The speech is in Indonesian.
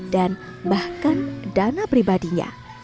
dan bahkan dana pribadinya